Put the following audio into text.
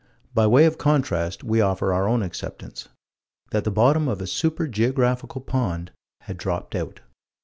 By way of contrast we offer our own acceptance: That the bottom of a super geographical pond had dropped out.